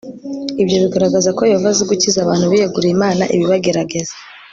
Ibyo bigaragaza ko Yehova azi gukiza abantu biyeguriye Imana ibibagerageza